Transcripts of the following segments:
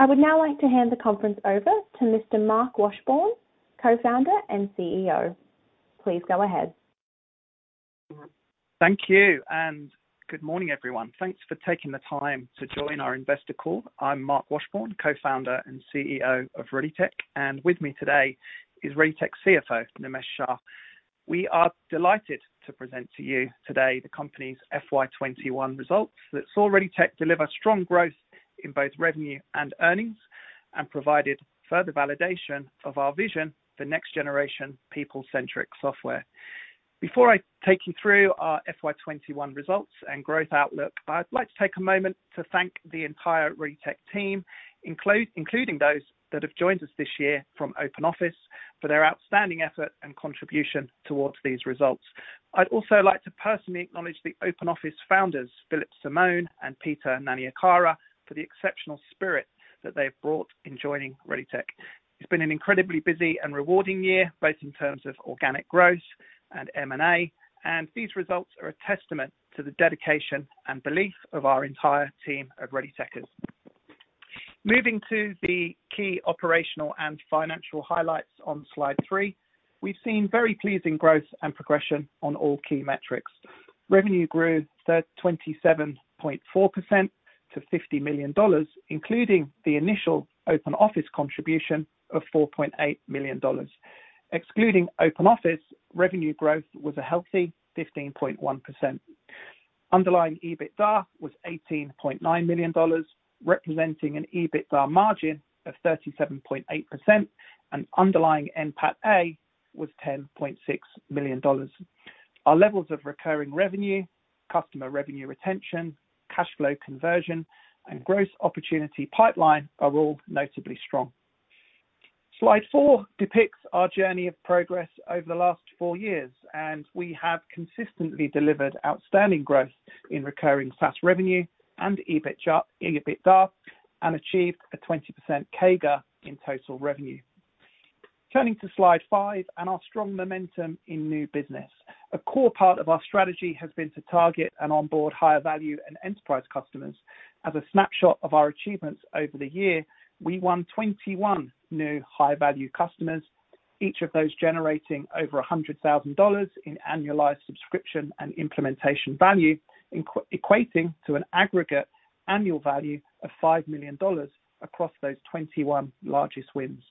I would now like to hand the conference over to Mr. Marc Washbourne, Co-Founder and CEO. Please go ahead. Thank you, and good morning, everyone. Thanks for taking the time to join our investor call. I'm Marc Washbourne, Co-Founder and CEO of ReadyTech, and with me today is ReadyTech CFO, Nimesh Shah. We are delighted to present to you today the company's FY 2021 results that saw ReadyTech deliver strong growth in both revenue and earnings and provided further validation of our vision for next generation people-centric software. Before I take you through our FY 2021 results and growth outlook, I'd like to take a moment to thank the entire ReadyTech team, including those that have joined us this year from Open Office, for their outstanding effort and contribution towards these results. I'd also like to personally acknowledge the Open Office founders, Phillip Simos and Peter Nanayakara, for the exceptional spirit that they have brought in joining ReadyTech. It's been an incredibly busy and rewarding year, both in terms of organic growth and M&A, and these results are a testament to the dedication and belief of our entire team of ReadyTechers. Moving to the key operational and financial highlights on slide three, we've seen very pleasing growth and progression on all key metrics. Revenue grew 27.4% to 50 million dollars, including the initial Open Office contribution of 4.8 million dollars. Excluding Open Office, revenue growth was a healthy 15.1%. Underlying EBITDA was 18.9 million dollars, representing an EBITDA margin of 37.8%, and underlying NPATA was 10.6 million dollars. Our levels of recurring revenue, customer revenue retention, cash flow conversion, and gross opportunity pipeline are all notably strong. Slide four depicts our journey of progress over the last four years, and we have consistently delivered outstanding growth in recurring SaaS revenue and EBITDA and achieved a 20% CAGR in total revenue. Turning to slide 5 and our strong momentum in new business. A core part of our strategy has been to target and onboard higher value and enterprise customers. As a snapshot of our achievements over the year, we won 21 new high-value customers, each of those generating over 100,000 dollars in annualized subscription and implementation value, equating to an aggregate annual value of 5 million dollars across those 21 largest wins.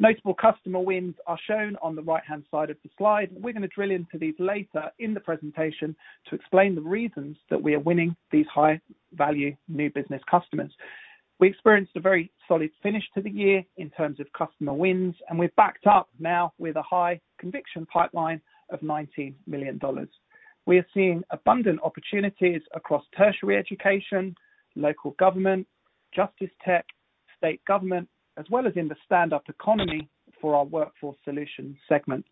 Notable customer wins are shown on the right-hand side of the slide. We're going to drill into these later in the presentation to explain the reasons that we are winning these high-value new business customers. We experienced a very solid finish to the year in terms of customer wins, we're backed up now with a high conviction pipeline of 19 million dollars. We are seeing abundant opportunities across tertiary education, local government, justice tech, state government, as well as in the stand-up economy for our Workforce Solutions segment.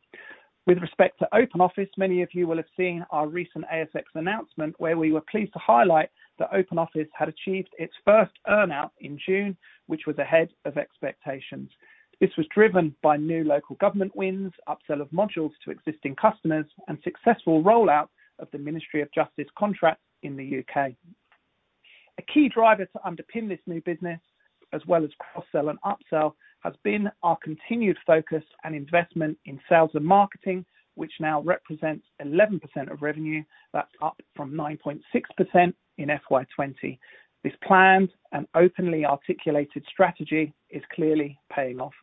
With respect to Open Office, many of you will have seen our recent ASX announcement where we were pleased to highlight that Open Office had achieved its first earn-out in June, which was ahead of expectations. This was driven by new local government wins, upsell of modules to existing customers, and successful rollout of the Ministry of Justice contract in the U.K. A key driver to underpin this new business, as well as cross-sell and upsell, has been our continued focus and investment in sales and marketing, which now represents 11% of revenue. That's up from 9.6% in FY20. This planned and openly articulated strategy is clearly paying off.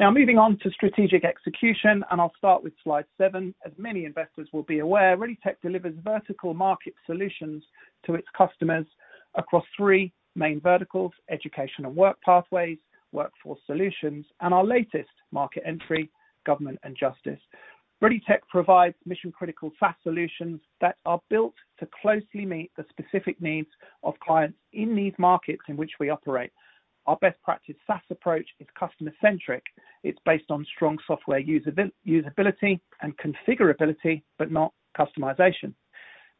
Moving on to strategic execution, and I'll start with slide seven. As many investors will be aware, ReadyTech delivers vertical market solutions to its customers across three main verticals: education and work pathways, Workforce Solutions, and our latest market entry, government and justice. ReadyTech provides mission-critical SaaS solutions that are built to closely meet the specific needs of clients in these markets in which we operate. Our best practice SaaS approach is customer-centric. It is based on strong software usability and configurability, but not customization.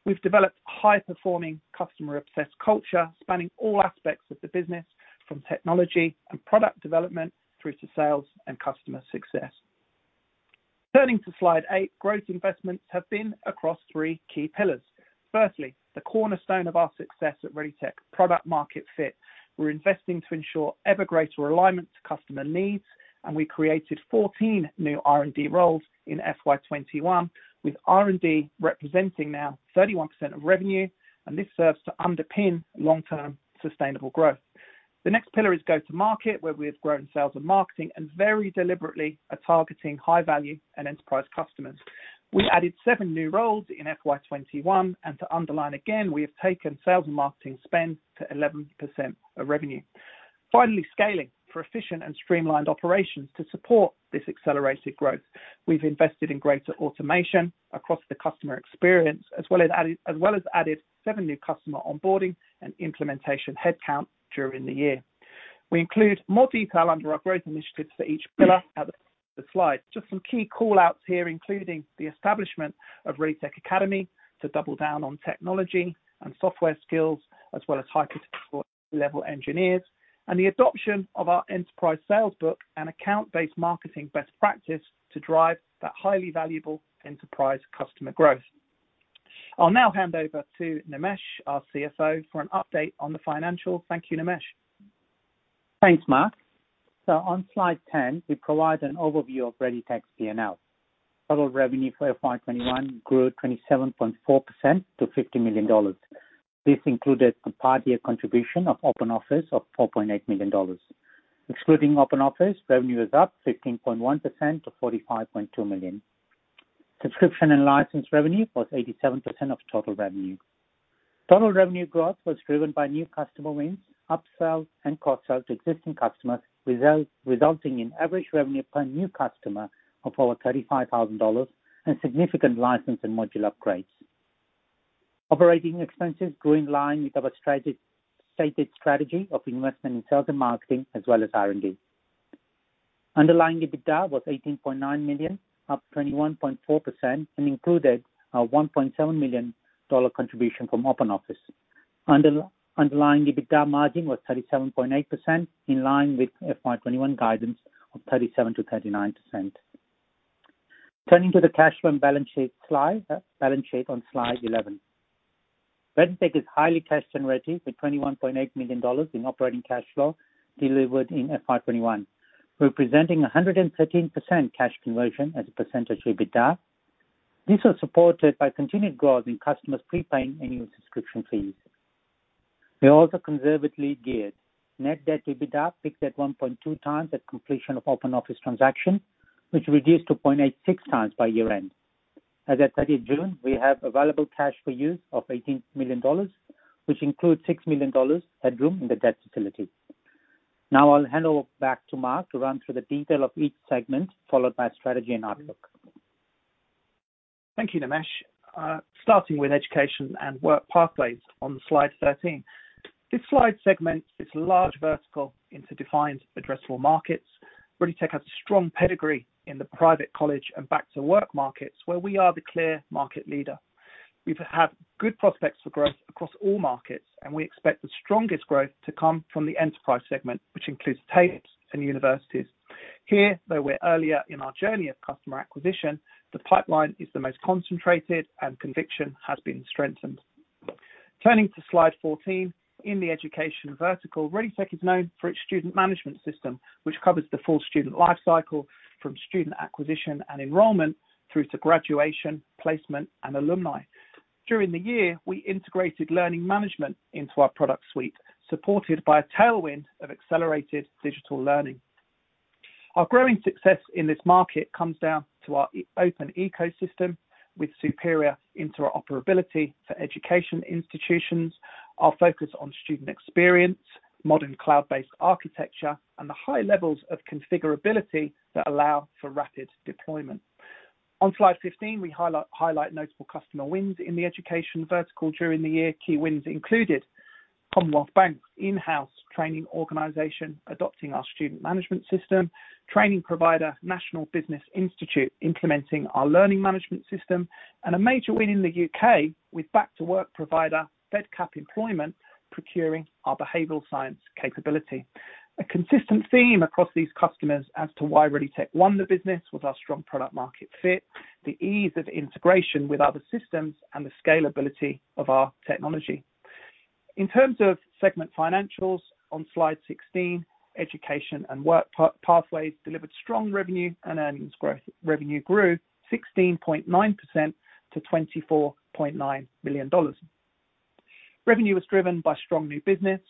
We have developed high-performing customer-obsessed culture spanning all aspects of the business from technology and product development through to sales and customer success. Turning to slide eight, growth investments have been across three key pillars. Firstly, the cornerstone of our success at ReadyTech, product market fit. We're investing to ensure ever greater alignment to customer needs. We created 14 new R&D roles in FY 2021, with R&D representing now 31% of revenue. This serves to underpin long-term sustainable growth. The next pillar is go to market, where we have grown sales and marketing and very deliberately are targeting high value and enterprise customers. We added seven new roles in FY 2021. To underline again, we have taken sales and marketing spend to 11% of revenue. Finally, scaling for efficient and streamlined operations to support this accelerated growth. We've invested in greater automation across the customer experience, as well as added seven new customer onboarding and implementation headcount during the year. We include more detail under our growth initiatives for each pillar at the slide. Just some key call-outs here, including the establishment of ReadyTech Academy to double down on technology and software skills, as well as high potential level engineers and the adoption of our enterprise sales book and account-based marketing best practice to drive that highly valuable enterprise customer growth. I'll now hand over to Nimesh, our CFO, for an update on the financial. Thank you, Nimesh. Thanks, Marc. On slide 10, we provide an overview of ReadyTech's P&L. Total revenue for FY 2021 grew 27.4% to 50 million dollars. This included a part year contribution of Open Office of 4.8 million dollars. Excluding Open Office, revenue is up 15.1% to 45.2 million. Subscription and license revenue was 87% of total revenue. Total revenue growth was driven by new customer wins, upsells, and cross-sells to existing customers, resulting in average revenue per new customer of over 35,000 dollars and significant license and module upgrades. Operating expenses grew in line with our stated strategy of investment in sales and marketing, as well as R&D. Underlying EBITDA was 18.9 million, up 21.4%, and included an AUD 1.7 million contribution from Open Office. Underlying EBITDA margin was 37.8%, in line with FY 2021 guidance of 37%-39%. Turning to the cash flow and balance sheet on slide 11. ReadyTech is highly cash generative with AUD 21.8 million in operating cash flow delivered in FY 2021, representing 113% cash conversion as a percentage of EBITDA. This was supported by continued growth in customers prepaying annual subscription fees. We are also conservatively geared. Net debt to EBITDA peaked at 1.2x at completion of Open Office transaction, which reduced to 0.86x by year-end. As at 30 June, we have available cash for use of 18 million dollars, which includes 6 million dollars headroom in the debt facility. I'll hand it back to Marc to run through the detail of each segment, followed by strategy and outlook. Thank you, Nimesh. Starting with education and work pathways on slide 13. This slide segments this large vertical into defined addressable markets. ReadyTech has a strong pedigree in the private college and back to work markets, where we are the clear market leader. We've had good prospects for growth across all markets, and we expect the strongest growth to come from the enterprise segment, which includes TAFEs and universities. Here, though we're earlier in our journey of customer acquisition, the pipeline is the most concentrated and conviction has been strengthened. Turning to slide 14, in the education vertical, ReadyTech is known for its student management system, which covers the full student life cycle from student acquisition and enrollment through to graduation, placement, and alumni. During the year, we integrated learning management into our product suite, supported by a tailwind of accelerated digital learning. Our growing success in this market comes down to our open ecosystem with superior interoperability for education institutions, our focus on student experience, modern cloud-based architecture, and the high levels of configurability that allow for rapid deployment. On slide 15, we highlight notable customer wins in the education vertical during the year. Key wins included Commonwealth Bank's in-house training organization adopting our student management system, training provider National Business Institute implementing our learning management system, and a major win in the U.K. with back to work provider Fedcap Employment procuring our behavioral science capability. A consistent theme across these customers as to why ReadyTech won the business was our strong product market fit, the ease of integration with other systems, and the scalability of our technology. In terms of segment financials, on slide 16, Education and Work Pathways delivered strong revenue and earnings growth. Revenue grew 16.9% to 24.9 million dollars. Revenue was driven by strong new business,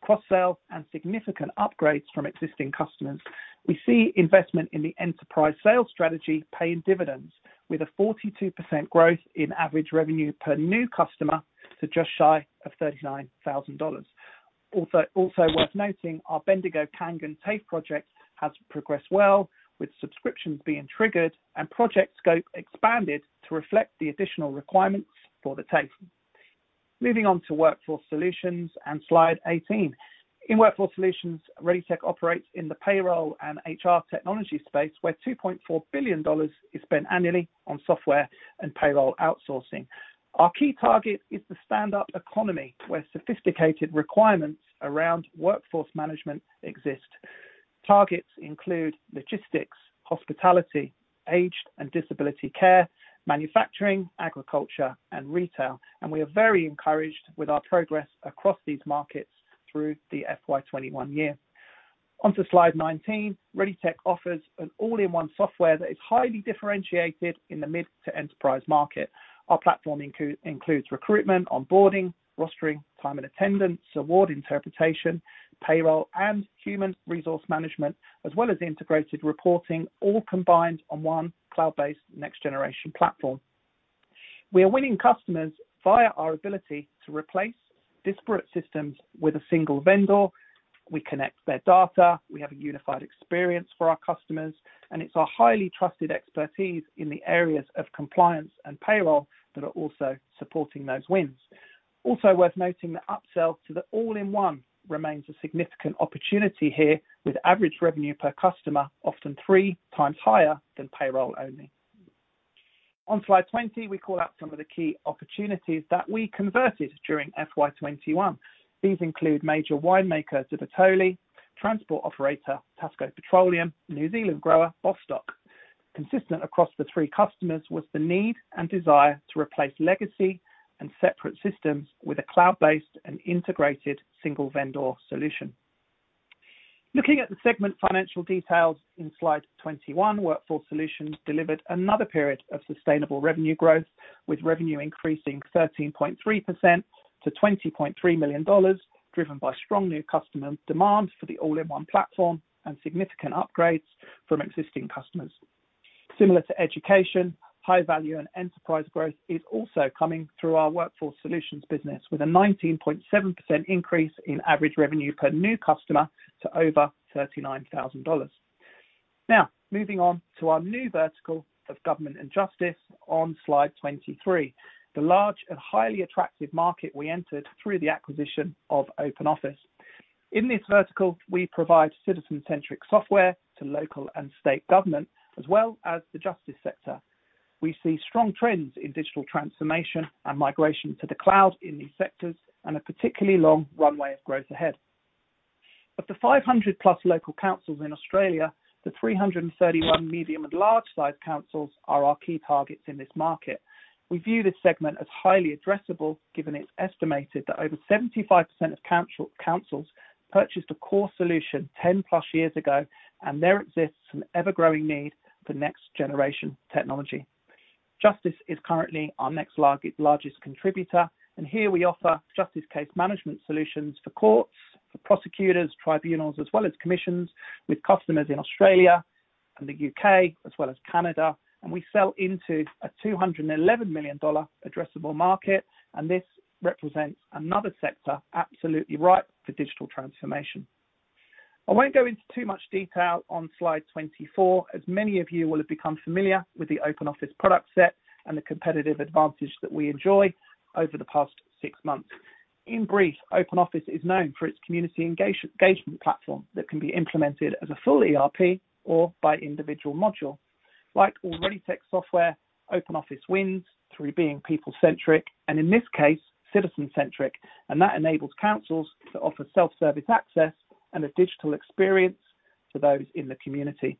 cross-sell, and significant upgrades from existing customers. We see investment in the enterprise sales strategy paying dividends with a 42% growth in average revenue per new customer to just shy of 39,000 dollars. Also worth noting, our Bendigo TAFE project has progressed well, with subscriptions being triggered and project scope expanded to reflect the additional requirements for the TAFE. Moving on to Workforce solutions and slide 18. In Workforce Solutions, ReadyTech operates in the payroll and HR technology space, where 2.4 billion dollars is spent annually on software and payroll outsourcing. Our key target is the stand-up economy, where sophisticated requirements around workforce management exist. Targets include logistics, hospitality, aged and disability care, manufacturing, agriculture, and retail, and we are very encouraged with our progress across these markets through the FY 2021 year. Onto slide 19, ReadyTech offers an all-in-one software that is highly differentiated in the mid to enterprise market. Our platform includes recruitment, onboarding, rostering, time and attendance, award interpretation, payroll, and human resource management, as well as integrated reporting, all combined on one cloud-based next generation platform. We are winning customers via our ability to replace disparate systems with a single vendor. We connect their data. We have a unified experience for our customers, and it's our highly trusted expertise in the areas of compliance and payroll that are also supporting those wins. Also worth noting that upsell to the all-in-one remains a significant opportunity here, with average revenue per customer often three times higher than payroll only. On slide 20, we call out some of the key opportunities that we converted during FY 2021. These include major winemaker De Bortoli, transport operator TASCO Petroleum, New Zealand grower Bostock. Consistent across the three customers was the need and desire to replace legacy and separate systems with a cloud-based and integrated single-vendor solution. Looking at the segment financial details in slide 21, Workforce Solutions delivered another period of sustainable revenue growth, with revenue increasing 13.3% to 20.3 million dollars, driven by strong new customer demand for the all-in-one platform and significant upgrades from existing customers. Similar to education, high value and enterprise growth is also coming through our Workforce Solutions business, with a 19.7% increase in average revenue per new customer to over 39,000 dollars. Moving on to our new vertical of Government and Justice on slide 23, the large and highly attractive market we entered through the acquisition of Open Office. In this vertical, we provide citizen-centric software to local and state government as well as the justice sector. We see strong trends in digital transformation and migration to the cloud in these sectors and a particularly long runway of growth ahead. Of the 500-plus local councils in Australia, the 331 medium and large-sized councils are our key targets in this market. We view this segment as highly addressable, given it's estimated that over 75% of councils purchased a core solution 10-plus years ago, and there exists an ever-growing need for next-generation technology. Here we offer justice case management solutions for courts, for prosecutors, tribunals, as well as commissions with customers in Australia and the U.K., as well as Canada. We sell into a 211 million dollar addressable market, and this represents another sector absolutely ripe for digital transformation. I won't go into too much detail on slide 24, as many of you will have become familiar with the Open Office product set and the competitive advantage that we enjoy over the past six months. In brief, Open Office is known for its community engagement platform that can be implemented as a full ERP or by individual module. Like all ReadyTech software, Open Office wins through being people-centric and in this case, citizen-centric, and that enables councils to offer self-service access and a digital experience to those in the community.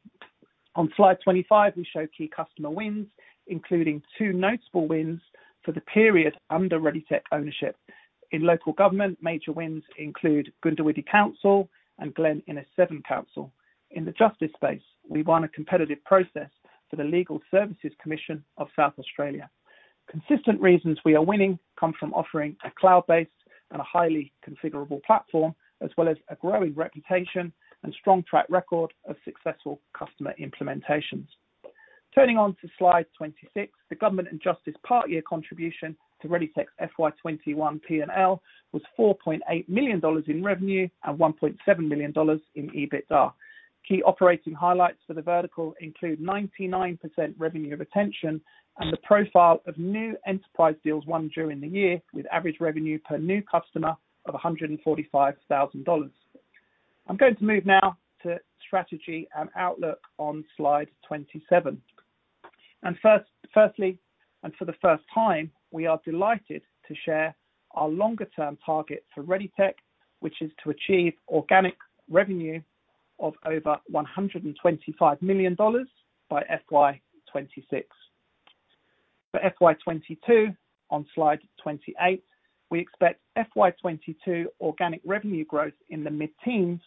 On slide 25, we show key customer wins, including two notable wins for the period under ReadyTech ownership. In local government, major wins include Goondiwindi Regional Council and Glen Innes Severn Council. In the justice space, we won a competitive process for the Legal Services Commission of South Australia. Consistent reasons we are winning come from offering a cloud-based and a highly configurable platform, as well as a growing reputation and strong track record of successful customer implementations. Turning on to slide 26, the Government and Justice part year contribution to ReadyTech's FY 2021 P&L was 4.8 million dollars in revenue and 1.7 million dollars in EBITDA. Key operating highlights for the vertical include 99% revenue retention and the profile of new enterprise deals won during the year, with average revenue per new customer of 145,000 dollars. I'm going to move now to strategy and outlook on slide 27. Firstly, for the first time, we are delighted to share our longer-term target for ReadyTech, which is to achieve organic revenue of over 125 million dollars by FY 2026. For FY 2022, on slide 28, we expect FY 2022 organic revenue growth in the mid-teens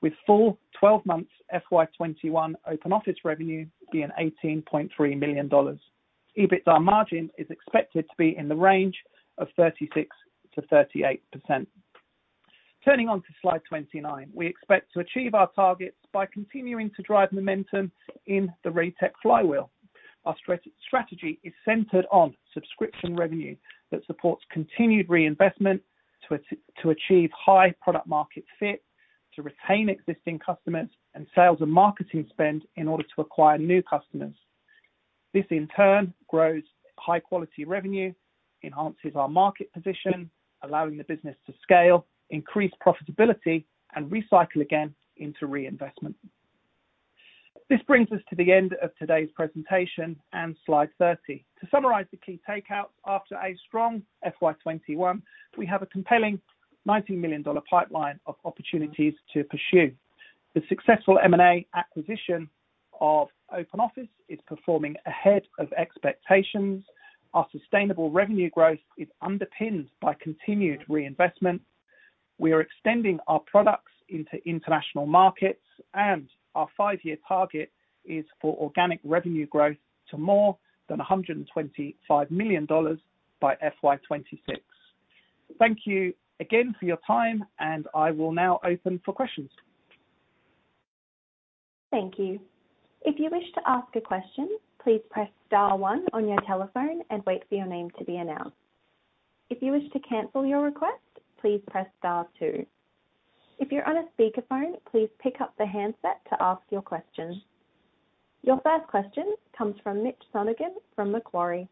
with full 12 months FY 2021 Open Office revenue being 18.3 million dollars. EBITDA margin is expected to be in the range of 36%-38%. Turning on to slide 29, we expect to achieve our targets by continuing to drive momentum in the ReadyTech flywheel. Our strategy is centered on subscription revenue that supports continued reinvestment to achieve high product-market fit, to retain existing customers, and sales and marketing spend in order to acquire new customers. This, in turn, grows high-quality revenue, enhances our market position, allowing the business to scale, increase profitability, and recycle again into reinvestment. This brings us to the end of today's presentation and slide 30. To summarize the key takeout, after a strong FY 2021, we have a compelling 90 million dollar pipeline of opportunities to pursue. The successful M&A acquisition of Open Office is performing ahead of expectations. Our sustainable revenue growth is underpinned by continued reinvestment. We are extending our products into international markets, and our five-year target is for organic revenue growth to more than 125 million dollars by FY 2026. Thank you again for your time, and I will now open for questions. Thank you. If you wish to ask a question, please press star one on your telephone and wait for your name to be announced. If you wish to cancel your request, please press star two. If you're on a speakerphone, please pick up the handset to ask your question. Your first question comes from Mitch Lonergan from Macquarie.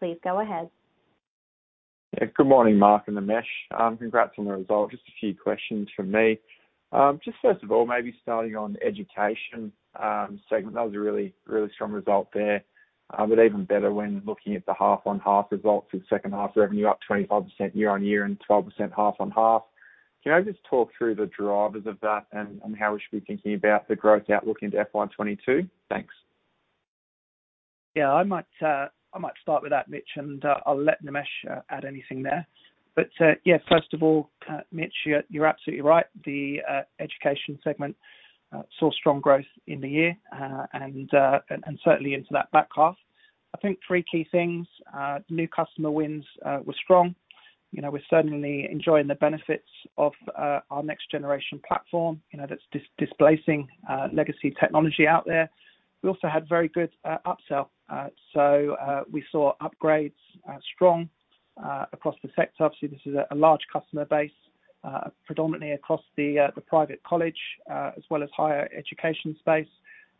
Please go ahead. Good morning, Marc and Nimesh. Congrats on the results. Just a few questions from me. Just first of all, maybe starting on the education segment. That was a really strong result there, but even better when looking at the half-on-half results with second half revenue up 25% year-on-year and 12% half-on-half. Can I just talk through the drivers of that and how we should be thinking about the growth outlook into FY 2022? Thanks. I might start with that, Mitch, and I'll let Nimesh add anything there. First of all, Mitch, you're absolutely right. The education segment saw strong growth in the year and certainly into that back half. I think three key things. New customer wins were strong. We're certainly enjoying the benefits of our next generation platform, that's displacing legacy technology out there. We also had very good upsell. We saw upgrades strong across the sector. Obviously, this is a large customer base predominantly across the private college as well as higher education space.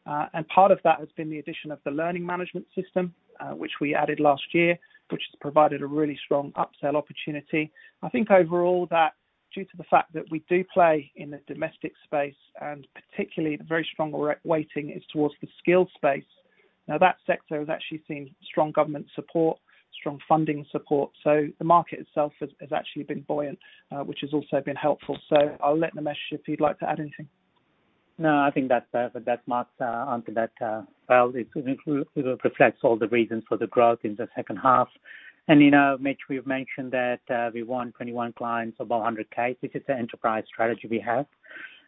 Part of that has been the addition of the learning management system, which we added last year, which has provided a really strong upsell opportunity. I think overall that due to the fact that we do play in the domestic space and particularly the very strong weighting is towards the skill space. That sector has actually seen strong government support, strong funding support. The market itself has actually been buoyant, which has also been helpful. I'll let Nimesh, if he'd like to add anything. No, I think that Marc's answered that well. It reflects all the reasons for the growth in the second half. Mitch, we've mentioned that we won 21 clients above 100,000. This is the enterprise strategy we have,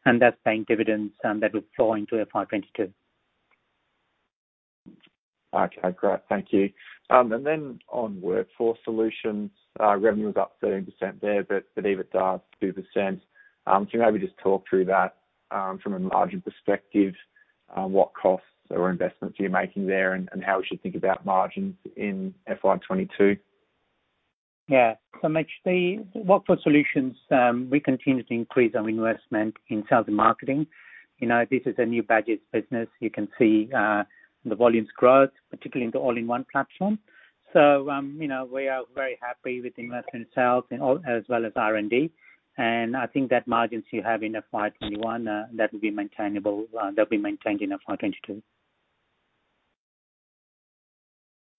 and that's paying dividends, and that will flow into FY 2022. Okay, great. Thank you. On Workforce Solutions, revenue was up 13% there, but EBITDA up 2%. Can you maybe just talk through that from a margin perspective? What costs or investments are you making there and how we should think about margins in FY 2022? Yeah. Mitch, the Workforce Solutions, we continue to increase our investment in sales and marketing. This is a new Badges business. You can see the volumes growth, particularly in the all-in-one platform. We are very happy with the investment itself and as well as R&D. I think that margins you have in FY 2021, they'll be maintained in FY 2022.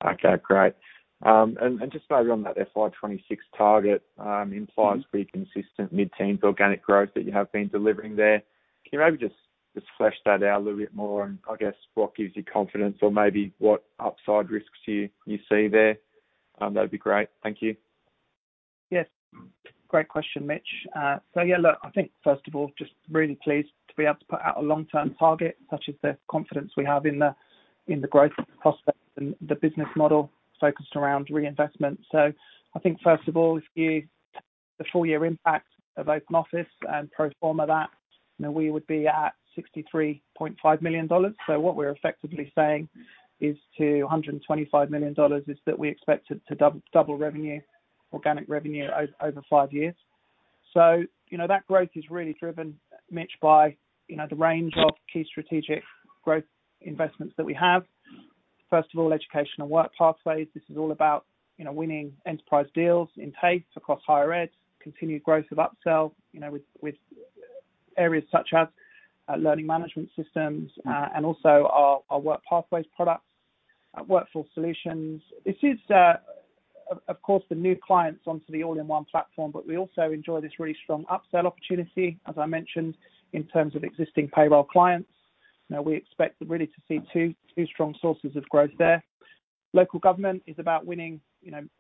Okay, great. Just maybe on that FY 2026 target implies pretty consistent mid-teens organic growth that you have been delivering there. Can you maybe just flesh that out a little bit more and I guess what gives you confidence or maybe what upside risks you see there? That'd be great. Thank you. Yes. Great question, Mitch. Really pleased to be able to put out a long-term target, such is the confidence we have in the growth prospects and the business model focused around reinvestment. If you take the full year impact of Open Office and pro forma that, we would be at 63.5 million dollars. What we're effectively saying is to 125 million dollars is that we expect to double revenue, organic revenue over five years. That growth is really driven, Mitch, by the range of key strategic growth investments that we have. First of all, educational work pathways. This is all about winning enterprise deals in TAFE across higher ed, continued growth of upsell, with areas such as learning management systems, and also our work pathways products, Workforce Solutions. This is of course the new clients onto the all-in-one platform, but we also enjoy this really strong upsell opportunity, as I mentioned, in terms of existing payroll clients. We expect really to see two strong sources of growth there. Local government is about winning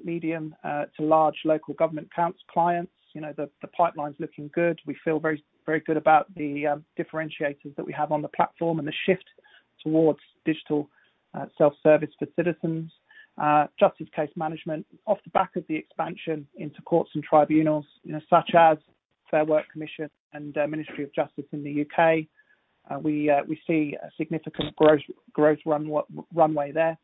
medium to large local government clients. The pipeline's looking good. We feel very good about the differentiators that we have on the platform and the shift towards digital self-service for citizens. Justice case management, off the back of the expansion into courts and tribunals, such as Fair Work Commission and Ministry of Justice in the U.K. We see a significant growth runway there.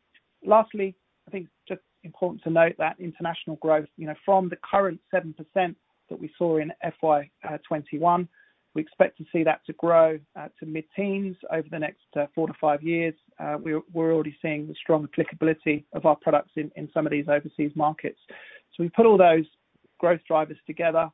Lastly, I think just important to note that international growth, from the current 7% that we saw in FY 2021, we expect to see that to grow to mid-teens over the next four to five years. We're already seeing the strong applicability of our products in some of these overseas markets. We put all those growth drivers together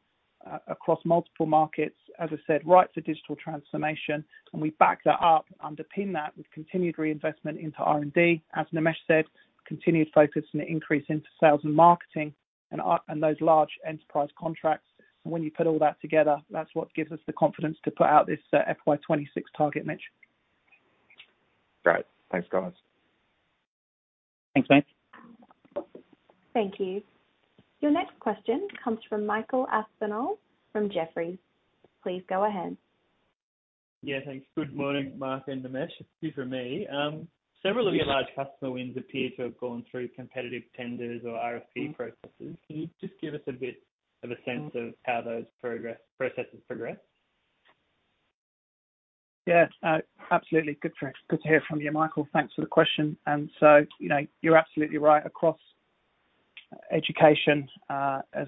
across multiple markets, as I said, right to digital transformation. We back that up, underpin that with continued reinvestment into R&D. As Nimesh said, continued focus and increase into sales and marketing and those large enterprise contracts. When you put all that together, that's what gives us the confidence to put out this FY 2026 target, Mitch. Great. Thanks, guys. Thanks, Mitch. Thank you. Your next question comes from Michael Aspinall from Jefferies. Please go ahead. Yeah, thanks. Good morning, Marc and Nimesh. It's two from me. Several of your large customer wins appear to have gone through competitive tenders or RFP processes. Can you just give us a bit of a sense of how those processes progress? Yeah. Absolutely. Good to hear from you, Michael. Thanks for the question. You're absolutely right. Across education, as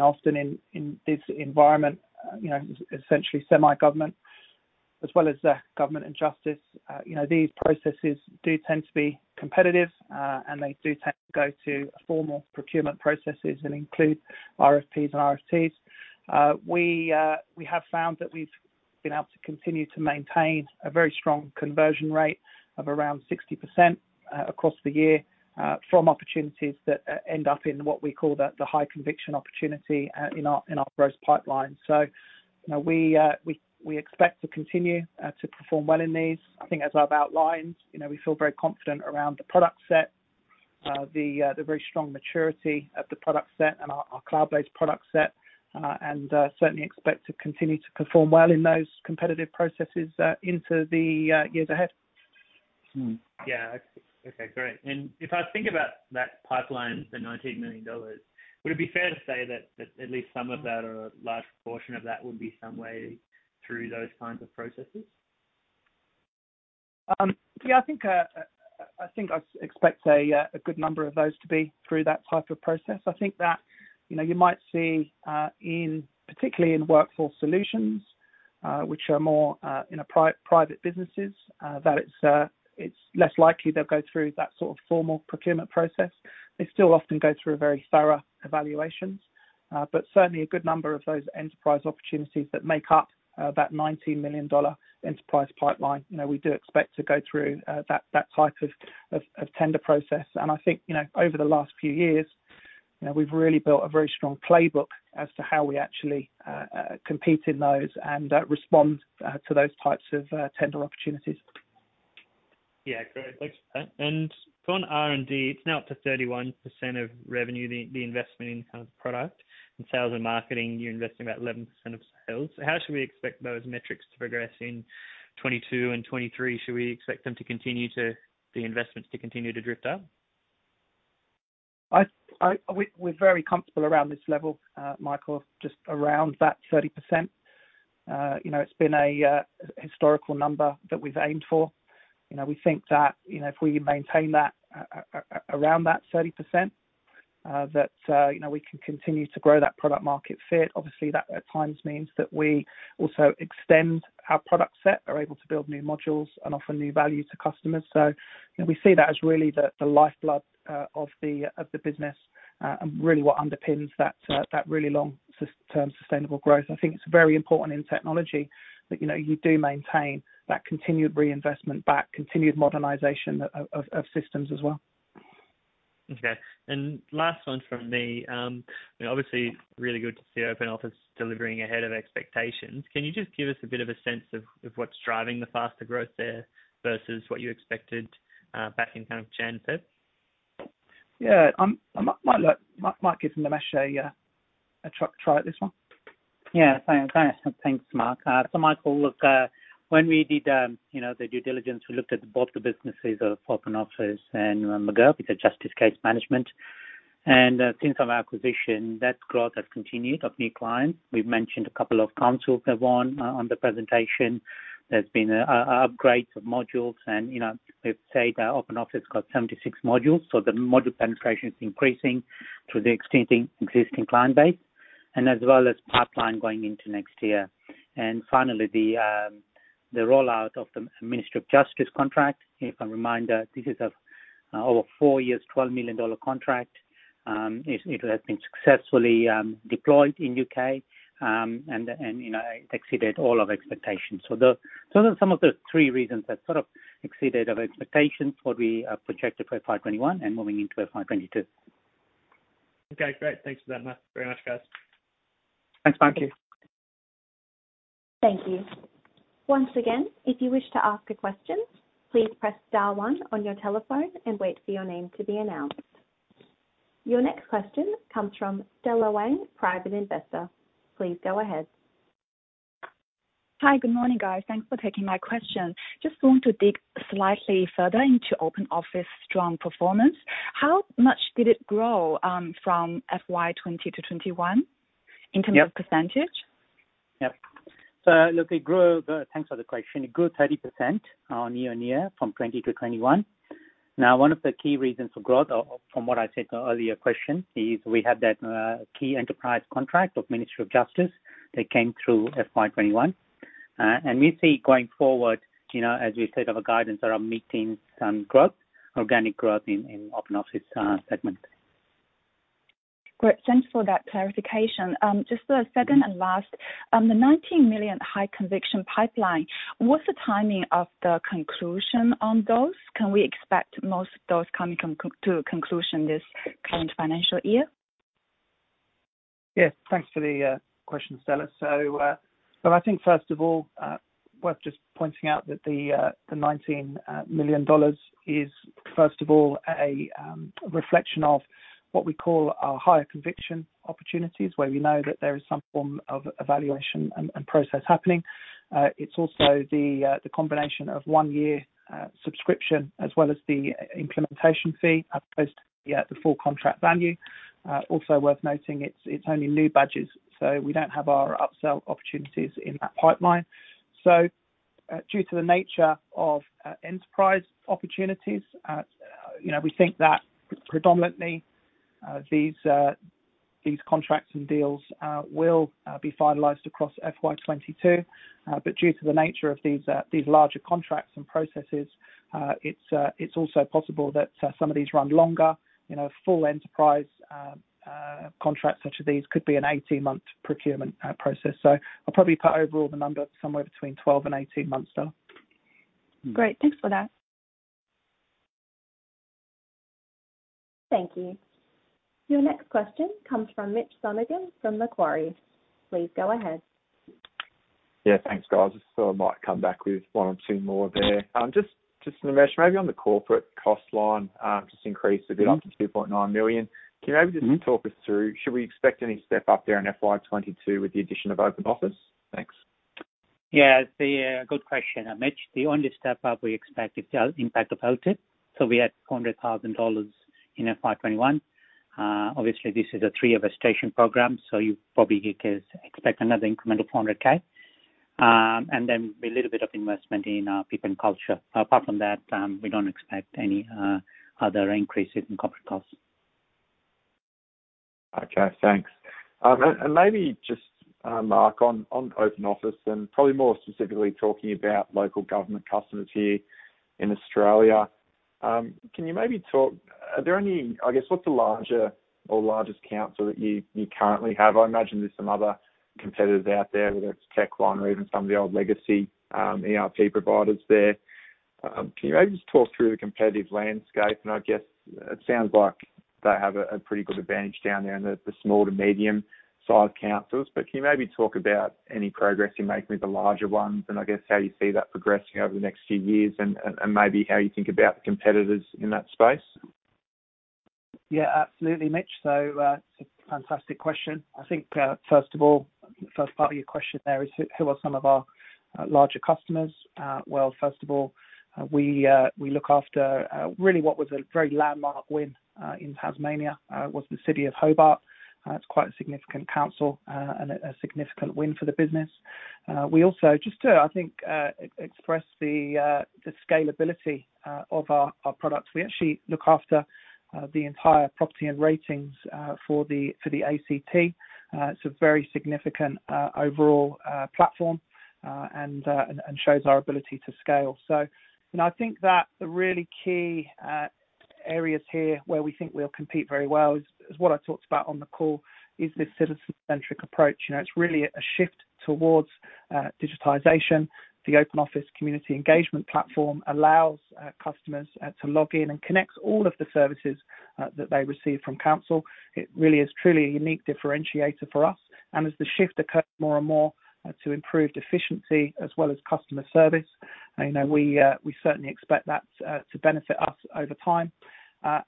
often in this environment, essentially semi-government, as well as Government and Justice, these processes do tend to be competitive, and they do tend to go to formal procurement processes and include RFPs and RFTs. We have found that we've been able to continue to maintain a very strong conversion rate of around 60% across the year from opportunities that end up in what we call the high conviction opportunity in our gross pipeline. We expect to continue to perform well in these. I think as I've outlined, we feel very confident around the product set, the very strong maturity of the product set and our cloud-based product set. Certainly expect to continue to perform well in those competitive processes into the years ahead. Yeah. Okay, great. If I think about that pipeline, the 19 million dollars, would it be fair to say that at least some of that or a large portion of that would be some way through those kinds of processes? Yeah, I think I expect a good number of those to be through that type of process. I think that you might see, particularly in Workforce Solutions, which are more in private businesses that it's less likely they'll go through that sort of formal procurement process. They still often go through a very thorough evaluation. Certainly a good number of those enterprise opportunities that make up that 19 million dollar enterprise pipeline. We do expect to go through that type of tender process. I think, over the last few years, we've really built a very strong playbook as to how we actually compete in those and respond to those types of tender opportunities. Yeah, great. Thanks for that. On R&D, it's now up to 31% of revenue, the investment in kind of product. In sales and marketing, you're investing about 11% of sales. How should we expect those metrics to progress in 2022 and 2023? Should we expect the investments to continue to drift up? We're very comfortable around this level, Michael, just around that 30%. It's been a historical number that we've aimed for. We think that if we maintain around that 30%, that we can continue to grow that product market fit. Obviously, that at times means that we also extend our product set, are able to build new modules and offer new value to customers. We see that as really the lifeblood of the business, and really what underpins that really long sustainable growth. I think it's very important in technology that you do maintain that continued reinvestment back, continued modernization of systems as well. Okay. Last one from me. Obviously really good to see Open Office delivering ahead of expectations. Can you just give us a bit of a sense of what's driving the faster growth there versus what you expected back in kind of Jan/Feb? Yeah. I might give Nimesh a try at this one. Thanks, Mark. Michael, look, when we did the due diligence, we looked at both the businesses of Open Office and McGirr, which are justice case management. Since our acquisition, that growth has continued of new clients. We've mentioned a couple of councils that won on the presentation. There's been upgrades of modules and we've said that Open Office got 76 modules. The module penetration is increasing through the existing client base and as well as pipeline going into next year. Finally, the rollout of the Ministry of Justice contract. If a reminder, this is a over five years, AUD 12 million contract. It has been successfully deployed in the U.K., and exceeded all of expectations. Those are some of the three reasons that sort of exceeded our expectations, what we projected for FY 2021 and moving into FY 2022. Okay, great. Thanks for that, Nimesh. Very much, guys. Thanks, Michael. Thank you. Once again, if you wish to ask a question, please press star one on your telephone and wait for your name to be announced. Your next question comes from Stella Wang, private investor. Please go ahead. Hi. Good morning, guys. Thanks for taking my question. Just want to dig slightly further into Open Office strong performance. How much did it grow from FY 2020 to FY 2021? Yep in terms of %? Yep. Look, it grew. Thanks for the question. It grew 30% YoY from FY 2020 to FY 2021. One of the key reasons for growth from what I said the earlier question is we had that key enterprise contract of Ministry of Justice that came through FY 2021. We see going forward, as we said of our guidance around mid-teens some growth, organic growth in Open Office segment. Great. Thanks for that clarification. Just the second and last. The 19 million high conviction pipeline, what's the timing of the conclusion on those? Can we expect most of those coming to a conclusion this current financial year? Yeah. Thanks for the question, Stella. I think first of all, worth just pointing out that the 19 million dollars is first of all, a reflection of what we call our higher conviction opportunities, where we know that there is some form of evaluation and process happening. It's also the combination of one year subscription as well as the implementation fee as opposed to the full contract value. Also worth noting, it's only new business, so we don't have our upsell opportunities in that pipeline. Due to the nature of enterprise opportunities, we think that predominantly, these contracts and deals will be finalized across FY 2022. Due to the nature of these larger contracts and processes, it's also possible that some of these run longer. Full enterprise contracts such as these could be an 18-month procurement process. I'll probably put overall the number somewhere between 12 and 18 months, Stella. Great. Thanks for that. Thank you. Your next question comes from Mitch Lonergan from Macquarie. Please go ahead. Yeah, thanks, guys. Just thought I might come back with one or two more there. Just Nimesh, maybe on the corporate cost line, just increased a bit up to 2.9 million. Can you maybe just talk us through, should we expect any step up there in FY 2022 with the addition of Open Office? Thanks. Yeah. Good question, Mitch. The only step up we expect is the impact of LTIP. We had AUD 400,000 in FY 2021. Obviously, this is a three-year vested program, so you probably can expect another incremental 400K, and then a little bit of investment in people and culture. Apart from that, we don't expect any other increases in corporate costs. Okay, thanks. Maybe just, Marc, on Open Office, and probably more specifically talking about local government customers here in Australia. Are there any, I guess, what's the larger or largest council that you currently have? I imagine there's some other competitors out there, whether it's TechnologyOne or even some of the old legacy ERP providers there. Can you maybe just talk through the competitive landscape? I guess it sounds like they have a pretty good advantage down there in the small to medium-sized councils. Can you maybe talk about any progress you make with the larger ones and, I guess, how you see that progressing over the next few years and, maybe how you think about the competitors in that space? Yeah, absolutely, Mitch. Fantastic question. I think, first of all, the first part of your question there is, who are some of our larger customers? Well, first of all, we look after really what was a very landmark win in Tasmania, was the city of Hobart. It's quite a significant council and a significant win for the business. We also, just to, I think, express the scalability of our products. We actually look after the entire property and ratings for the A.C.T. It's a very significant overall platform and shows our ability to scale. I think that the really key areas here where we think we'll compete very well is what I talked about on the call, is this citizen-centric approach. It's really a shift towards digitization. The Open Office community engagement platform allows customers to log in and connects all of the services that they receive from council. It really is truly a unique differentiator for us, and as the shift occurs more and more to improved efficiency as well as customer service, we certainly expect that to benefit us over time. I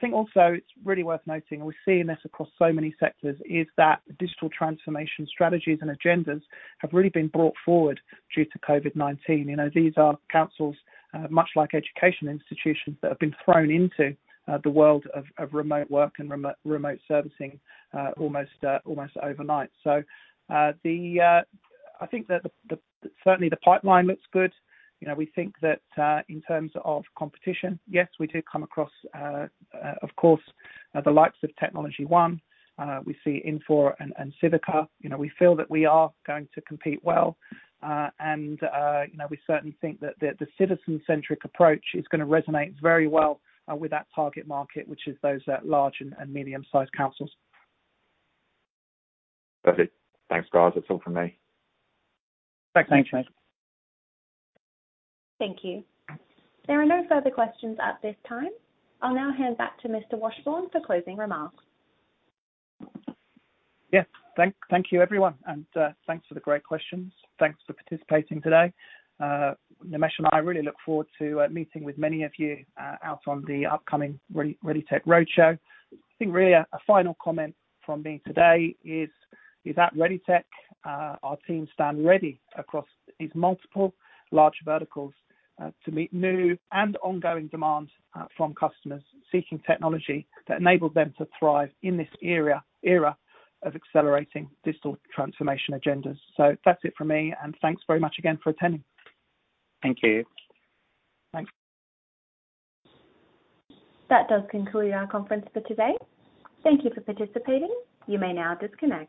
think also it's really worth noting, and we're seeing this across so many sectors, is that digital transformation strategies and agendas have really been brought forward due to COVID-19. These are councils, much like education institutions, that have been thrown into the world of remote work and remote servicing almost overnight. I think that certainly the pipeline looks good. We think that in terms of competition, yes, we do come across of course, the likes of TechnologyOne. We see Infor and Civica. We feel that we are going to compete well, and we certainly think that the citizen-centric approach is going to resonate very well with that target market, which is those large and medium-sized councils. Perfect. Thanks, guys. That's all from me. Thanks, Mitch. Thanks, Mitch. Thank you. There are no further questions at this time. I'll now hand back to Mr. Washbourne for closing remarks. Yes. Thank you, everyone, and thanks for the great questions. Thanks for participating today. Nimesh and I really look forward to meeting with many of you out on the upcoming ReadyTech Roadshow. I think really a final comment from me today is that ReadyTech, our team stand ready across these multiple large verticals to meet new and ongoing demands from customers seeking technology that enables them to thrive in this era of accelerating digital transformation agendas. That's it from me, and thanks very much again for attending. Thank you. Thanks. That does conclude our conference for today. Thank you for participating. You may now disconnect.